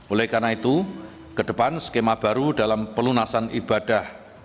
oleh karena itu ke depan skema baru dalam pelunasan ibadah